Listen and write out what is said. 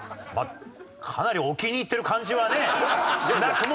かなり置きにいってる感じはねしなくもないですけれども。